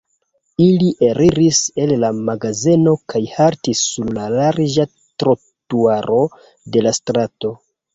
Ili eliris el la magazeno kaj haltis sur la larĝa trotuaro de la strato.